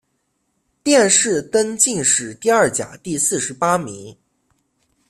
殿试登进士第二甲第四十八名。